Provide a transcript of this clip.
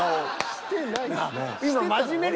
してない。